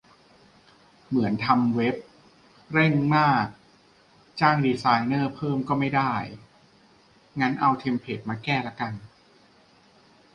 เหมือนทำเว็บ เร่งมาก จ้างดีไซเนอร์เพิ่มก็ไม่ได้ งั้นเอาเทมเพลตมาแก้ละกัน